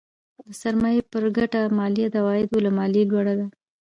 د سرمایې پر ګټه مالیه د عوایدو له مالیې لوړه ده.